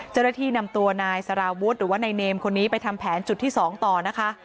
เจรฐีนำตัวนายสาราวุธหรือว่านายเนมคนนี้ไปทำแผนจุดที่สองต่อนะคะ